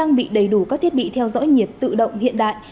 trang bị đầy đủ các thiết bị theo dõi nhiệt tự động hiện đại